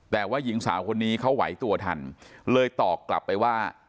แต่ว่าหญิงสาวคนนี้เขาไหวตัวทันเลยตอบกลับไปว่า